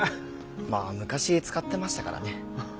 まあ昔使ってましたからね。